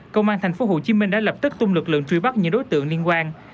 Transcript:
công an tp hcm đã lập tức tung lực lượng truy bắt những đối tượng liên quan